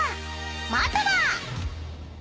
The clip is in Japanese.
［まずは］